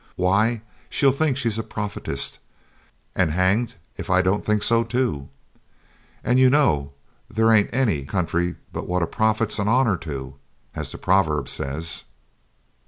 Why she'll think she's a prophetess and hanged if I don't think so too and you know there ain't any country but what a prophet's an honor to, as the proverb says.